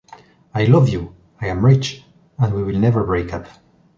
I love you, I am rich, and we will never break up.